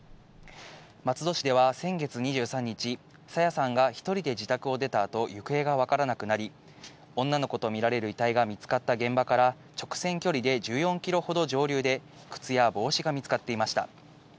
松戸市では先月２３日、朝芽さんが１人で自宅を出た後、行方がわからなくなり、女の子とみられる遺体が見つかった現場から直線距離で１４キロほど上流で靴や帽子が見つかっていました。